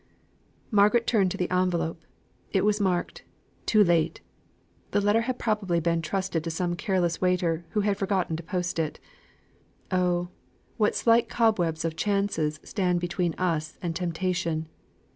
Margaret turned to the envelope: it was marked "Too late." The letter had probably been trusted to some careless waiter, who had forgotten to post it. Oh! what slight cobwebs of chances stand between us and Temptation!